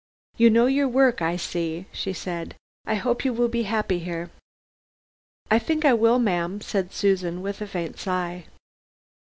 "You know your work I see," she said. "I hope you will be happy here!" "I think I will, ma'am," said Susan, with a faint sigh.